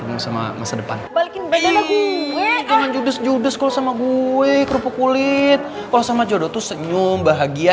ini semua karena botol kecap sekarang gak ada